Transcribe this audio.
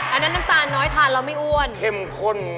อันนั้นน้ำตาลน้อยทานแล้วไม่อ้วนเข้มข้น